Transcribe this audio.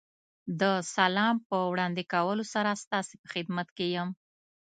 د سلام په وړاندې کولو سره ستاسې په خدمت کې یم.